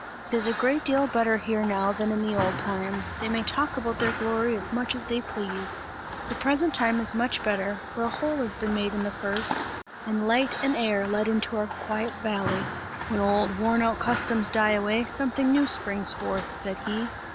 It is a great deal better here now, than in the old times; they may talk about their glory as much as they please. The present time is much better, for a hole has been made in the purse and light and air let into our quiet valley. When old worn out customs die away, something new springs forth!" said he.